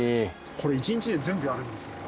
これ一日で全部やるんですよね？